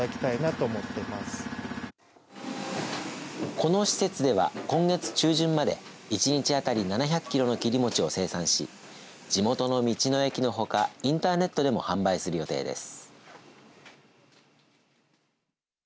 この施設では、今月中旬まで１日当たり７００キロの切り餅を生産し地元の道の駅のほかインターネットでも販売する予定です。